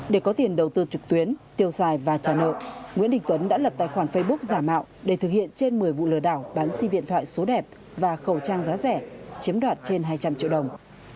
để có tiền đầu tư trực tuyến tiêu xài và trả nợ nguyễn đình tuấn đã lập tài khoản facebook giả mạo để thực hiện trên một mươi vụ lừa đảo bán sim điện thoại số đẹp và khẩu trang giá rẻ chiếm đoạt trên hai trăm linh triệu đồng